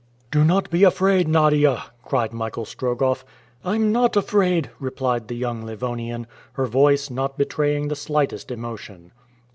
"Do not be afraid, Nadia!" cried Michael Strogoff. "I'm not afraid," replied the young Livonian, her voice not betraying the slightest emotion.